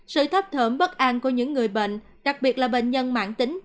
sự thấp thở bất an của những người bệnh đặc biệt là bệnh nhân mạng tính